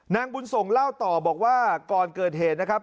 นางบุญส่งเล่าต่อบอกว่าก่อนเกิดเหตุนะครับ